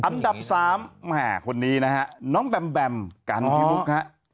อันดับสามแหมคนนี้นะฮะน้องแบมแบมกันพี่มุกฮะ